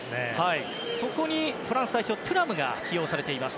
そこにフランス代表テュラムが起用されています。